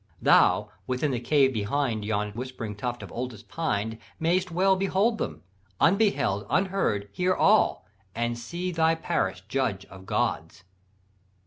Thou, within the cave Behind yon whispering tuft of oldest pine, Mayst well behold them, unbeheld, unheard Hear all, and see thy Paris judge of Gods.'